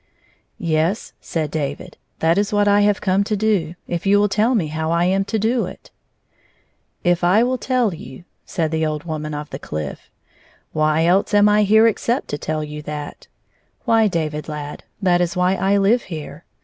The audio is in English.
" "Yes," said David; "that is what I have come to do, if you will tell me how I am to do it." " If I will tell you 1 " said the old woman of the cliff. "Why else am I here except to tell you that 1 Why, David, lad, that is why I Uve here.